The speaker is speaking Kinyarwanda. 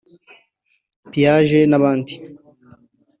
Piaget n’abandi